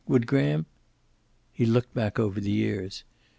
Would Graham ? He looked back over the years.